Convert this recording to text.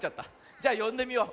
じゃよんでみよう。